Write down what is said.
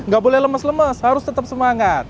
gak boleh lemes lemes harus tetap semangat